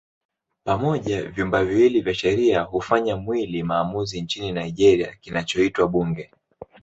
Pamoja vyumba viwili vya sheria hufanya mwili maamuzi nchini Nigeria kinachoitwa Bunge.